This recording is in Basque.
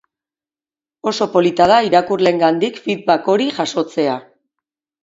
Oso polita da irakurleengandik feedback hori jasotzea.